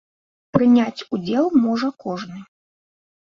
Прыняць удзел можа кожны.